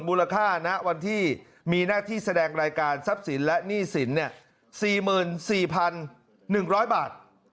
มูลค่าณวันที่มีหน้าที่แสดงรายการทรัพย์สินและหนี้สิน๔๔๑๐๐บาท